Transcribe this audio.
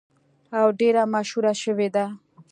او ډیره مشهوره شوې ده.